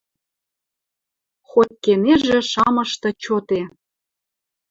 Хоть кенежӹ шамышты чоте.